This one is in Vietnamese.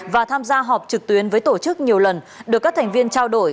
và tham gia họp trực tuyến với tổ chức nhiều lần được các thành viên trao đổi